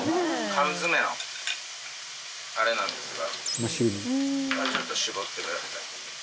缶詰のあれなんですがちょっと絞ってください。